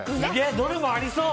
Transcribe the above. どれもありそう。